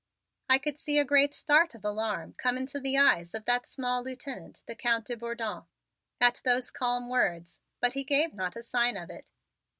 I could see a great start of alarm come into the eyes of that small Lieutenant, the Count de Bourdon, at those calm words, but he gave not a sign of it.